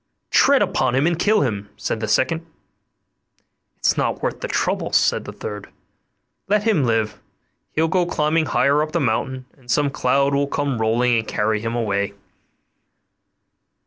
'Tread upon him and kill him,' said the second. 'It's not worth the trouble,' said the third; 'let him live, he'll go climbing higher up the mountain, and some cloud will come rolling and carry him away.